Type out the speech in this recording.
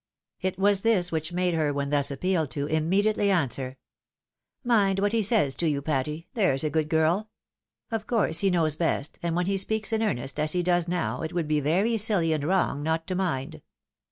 It was this which made her, when thus ap pealed to, immediately answer, "Mind what he says to you, Patty, there's a good girl. Of course he knows best, and when he speaks in earnest, as he does now, it would be very siUy and wrong not to mind.